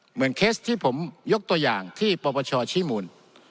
เหมือนเคสที่ผมยกตัวอย่างที่ปฏิบัติชอชิมูล